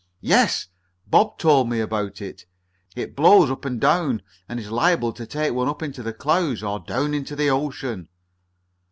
"Yes, Bob told me about it. It blows up and down and is liable to take one up Into the clouds or down into the ocean."